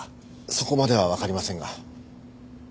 そこまではわかりませんが。